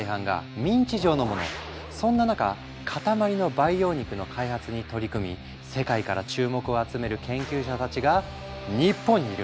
そんな中塊の培養肉の開発に取り組み世界から注目を集める研究者たちが日本にいるんだ。